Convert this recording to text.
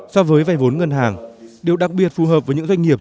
so với vay vốn ngân hàng điều đặc biệt phù hợp với những doanh nghiệp